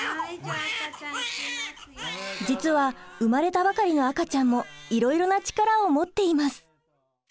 実は生まれたばかりの赤ちゃんもいろいろな力を持っています！